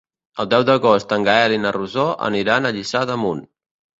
El deu d'agost en Gaël i na Rosó aniran a Lliçà d'Amunt.